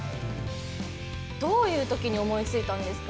どういうときに思いついたんですか？